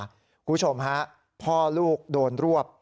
คุณผู้ชมฮะพ่อลูกโดนรวบ